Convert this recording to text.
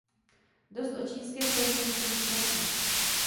Dost o čínské formě nucených prací!